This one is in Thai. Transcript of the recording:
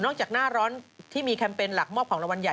จากหน้าร้อนที่มีแคมเปญหลักมอบของรางวัลใหญ่